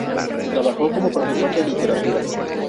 Trabajó como profesor de Literatura.